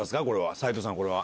斎藤さん、これは。